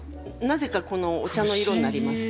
なぜかこのお茶の色になります。